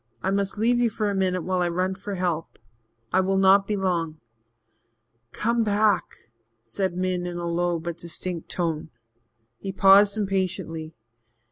I must leave you for a minute while I run for help I will not be long." "Come back," said Min in a low but distinct tone. He paused impatiently.